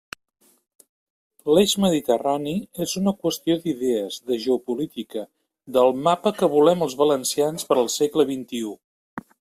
L'eix mediterrani és una qüestió d'idees, de geopolítica, del mapa que volem els valencians per al segle xxi.